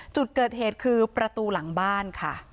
จุดเกิดเหตุคือประตูหลังบ้านค่ะ